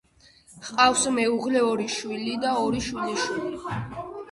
ჰყავს მეუღლე ორი შვილი და ორი შვილიშვილი.